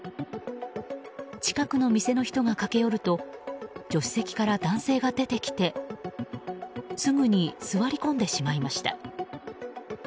近くの店の人が駆け寄ると助手席から男性が出てきてすぐに座り込んでしまいました。